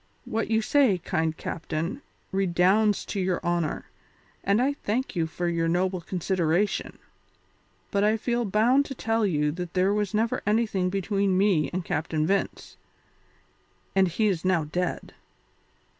"What you say, kind captain, redounds to your honour, and I thank you for your noble consideration, but I feel bound to tell you that there was never anything between me and Captain Vince, and he is now dead."